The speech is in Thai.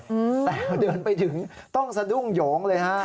แต่เดินไปถึงต้องสะดุ้งโยงเลย